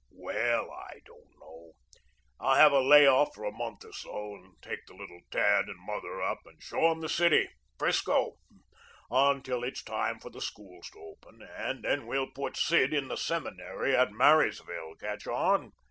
"Well, I don't know. I'll have a lay off for a month or so and take the little tad and mother up and show 'em the city 'Frisco until it's time for the schools to open, and then we'll put Sid in the seminary at Marysville. Catch on?"